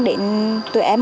để tụi em